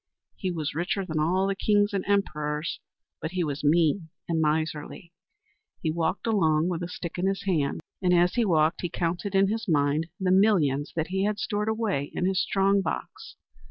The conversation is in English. He was richer than all the kings and emperors, but he was mean and miserly. He walked along with a stick in his hand, and as he walked he counted in his mind the millions that he had stored away in his strong box.